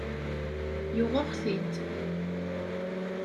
Yuɣ-aɣ-t-id.